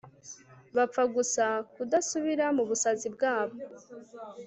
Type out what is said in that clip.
bapfa gusa kudasubira mu busazi bwabo